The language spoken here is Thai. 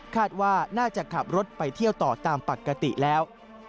คาดว่าน่าจะขับรถไปเที่ยวต่อตามปกติแล้ว